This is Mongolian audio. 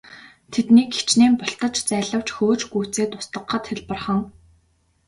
Тэднийг хэчнээн бултаж зайлавч хөөж гүйцээд устгахад хялбархан.